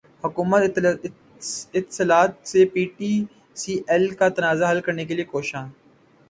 حکومت اتصالات سے P T C L کا تنازع حل کرنے کیلئے کوشاں